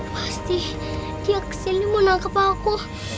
pasti dia kecilnya mau nangkep aku